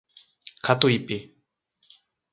Catuípe